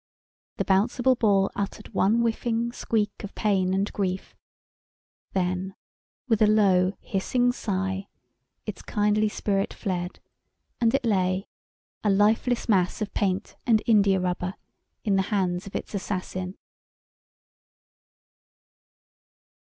The Bouncible Ball uttered one whiffing squeak of pain and grief, then with a low, hissing sigh its kindly spirit fled, and it lay, a lifeless mass of paint and india rubber in the hands of its assassin.